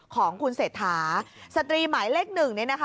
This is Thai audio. ของคุณเศรษฐาสตรีหมายเลขหนึ่งเนี่ยนะคะ